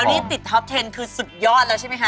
คราวนี้ติดท็อป๑๐คือสุดยอดใช่ไหมคะ